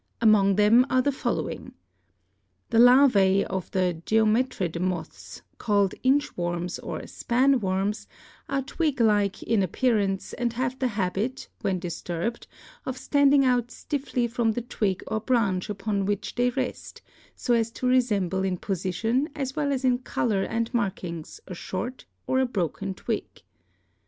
Among them are the following: The larvae of the geometrid moths, called inch worms or span worms, are twig like in appearance and have the habit, when disturbed, of standing out stiffly from the twig or branch upon which they rest, so as to resemble in position as well as in color and markings a short or a broken twig.